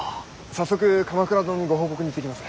早速鎌倉殿にご報告に行ってきます。